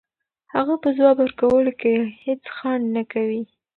هغه په ځواب ورکولو کې هیڅ ځنډ نه کوي.